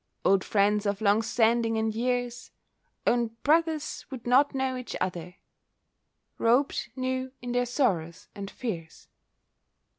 Old friends of long standing and years— Own brothers would not know each other, Robed new in their sorrows and fears.